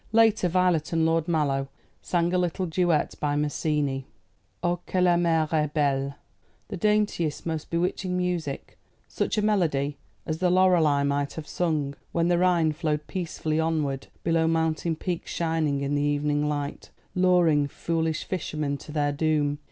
Later Violet and Lord Mallow sang a little duet by Masini, "O, que la mer est belle!" the daintiest, most bewitching music such a melody as the Loreley might have sung when the Rhine flowed peacefully onward below mountain peaks shining in the evening light, luring foolish fishermen to their doom.